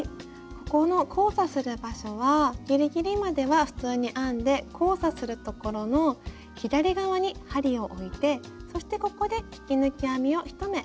ここの交差する場所はギリギリまでは普通に編んで交差するところの左側に針を置いてそしてここで引き抜き編みを１目。